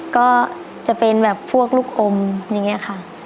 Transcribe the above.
ก็จะเป็นแบบพวกลูกอมอย่างนี้ค่ะ